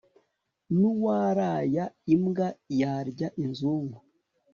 nuwaraya imbwa yarya inzungu